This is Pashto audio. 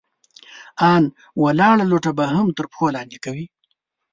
ان ولاړه لوټه به هم تر پښو لاندې کوئ!